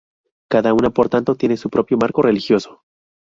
Cada una por tanto tiene su propio marco religioso.